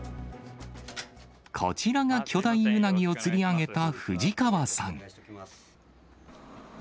こちらが巨大ウナギを釣り上げた藤川さん。